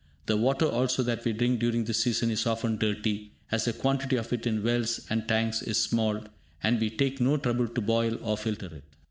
The water also that we drink during this season is often dirty, as the quantity of it in wells and tanks is small, and we take no trouble to boil or filter it.